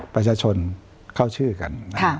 ประชาชนเข้าชื่อกัน